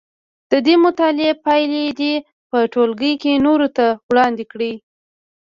د دې مطالعې پایلې دې په ټولګي کې نورو ته وړاندې کړي.